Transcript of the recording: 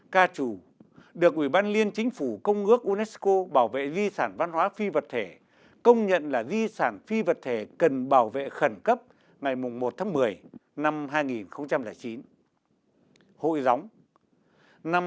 ca trù được ủy ban liên chính phủ công ước unesco bảo vệ di sản văn hóa phi vật thể công nhận là di sản phi vật thể cần bảo vệ khẩn cấp ngày một tháng một mươi năm hai nghìn chín